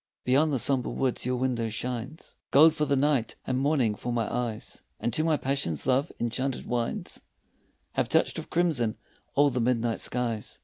Beyond the sombre woods your window shines Gold for the night and morning for my eyes, And to my passion love's enchanted wines Have touched with crimson all the midnight skies.